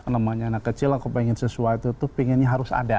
namanya anak kecil aku pengen sesuatu tuh pengennya harus ada